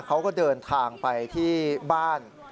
เขาก็เดินทางไปที่บ้าน